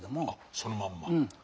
あっそのまんま。